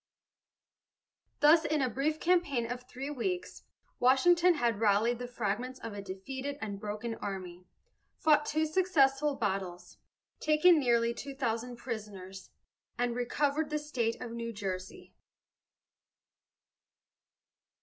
"Thus in a brief campaign of three weeks, Washington had rallied the fragments of a defeated and broken army, fought two successful battles, taken nearly two thousand prisoners, and recovered the state of New Jersey."